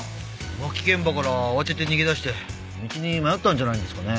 浮気現場から慌てて逃げ出して道に迷ったんじゃないんですかね？